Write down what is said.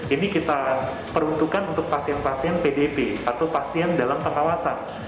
ini kita peruntukan untuk pasien pasien pdp atau pasien dalam pengawasan